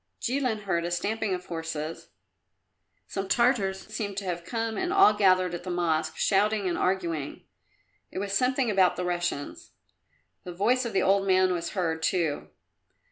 Jilin heard a stamping of horses; some Tartars seemed to have come and all gathered at the Mosque, shouting and arguing. It was something about the Russians. The voice of the old man was heard, too.